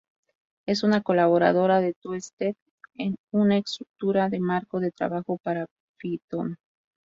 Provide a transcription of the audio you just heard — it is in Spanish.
Es una colaboradora de Twisted, una estructura de marco de trabajo para Python.